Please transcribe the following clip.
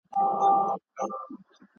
ښځي وویل ژر وزه دم تر دمه `